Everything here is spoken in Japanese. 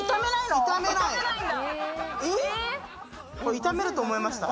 炒めると思いました？